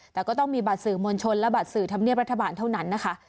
แต่ก็ต้องมีบัตรสื่อมวลชนและบัตรสื่อธรรมเนียบรัฐบาลเท่านั้นนะคะ